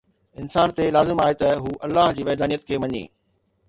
انسان تي لازم آهي ته هو الله جي وحدانيت کي مڃي